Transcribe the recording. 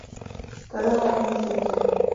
تلہ گنگ نزدیک ہے۔